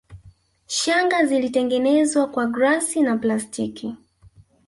Shanga zilitengenezwa kwa glasi na plastiki